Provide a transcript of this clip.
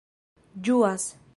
ĝuas